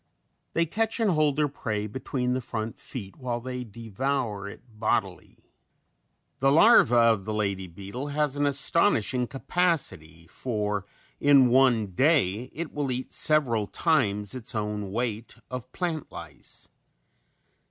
They catch and hold their prey between the front feet while they devour it bodily. The larva of the lady beetle has an astonishing capacity for in one day it will eat several times its own weight of plant lice.